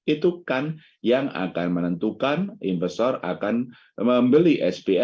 itu kan yang akan menentukan investor akan membeli spm